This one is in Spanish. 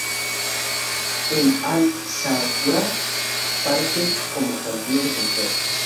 El Al-Zawraa parte como campeón defensor.